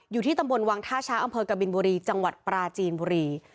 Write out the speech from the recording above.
อยู่ที่ตำบลวังท่าช้างอำเภอกบินบุรีจังหวัดปราจีนบุรี